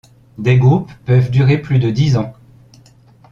Des groupes peuvent durer plus de dix ans.